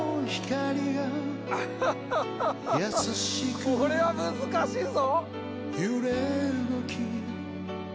これは難しいぞ。